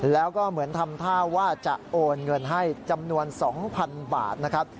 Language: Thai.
แล้วก็เหมือนทำท่าว่าจะโอนเงินให้จำนวน๒๐๐๐บาทนะครับ